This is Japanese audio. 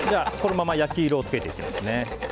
このまま焼き色をつけていきます。